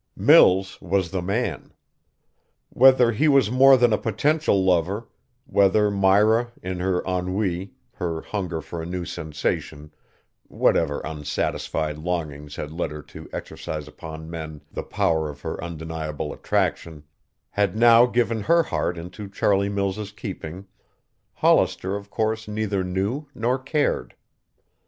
Mills was the man. Whether he was more than a potential lover, whether Myra in her ennui, her hunger for a new sensation whatever unsatisfied longings led her to exercise upon men the power of her undeniable attraction had now given her heart into Charlie Mills' keeping, Hollister of course neither knew nor cared.